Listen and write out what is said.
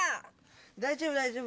大丈夫、大丈夫。